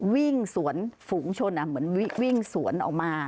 วิ่งสวนฝูงชนเหมือนวิ่งสวนออกมา